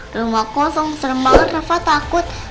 rumah kosong serem banget reva takut